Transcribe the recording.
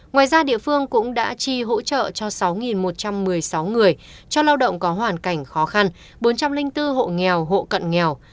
ngoài ra địa phương cũng đã chi hỗ trợ cho sáu một trăm một mươi sáu người cho lao động có hoàn cảnh khó khăn bốn trăm linh bốn hộ nghèo hộ cận nghèo